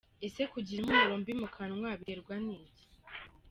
Ese kugira impumuro mbi mu kanwa biterwa n’iki ?.